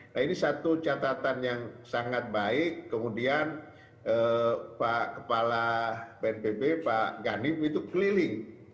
nah ini satu catatan yang sangat baik kemudian pak kepala bnpb pak ganip itu keliling